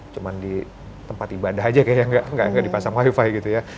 cuma di tempat ibadah aja kayak nggak dipasang wifi gitu ya